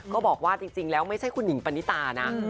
ก็บอกว่าจริงแล้วไม่ใช่คุณหิงปณิตานะ